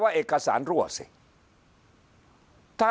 พักพลังงาน